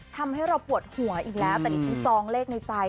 ทำให้เราปวดหัวอีกแล้วแต่ดิฉันจองเลขในใจ